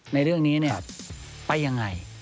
ในเรื่องนี้ไปยังไง